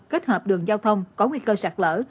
kết hợp đường giao thông có nguy cơ sạt lở